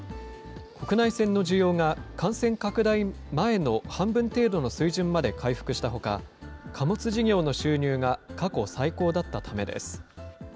国内線の需要が感染拡大前の半分程度の水準まで回復したほか、貨物事業の収入が過去最高だったためです。